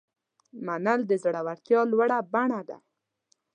منل د زړورتیا لوړه بڼه ده.